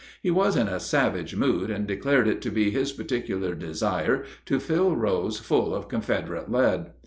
He was in a savage mood, and declared it to be his particular desire to fill Rose full of Confederate lead.